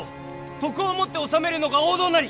徳をもって治めるのが王道なり！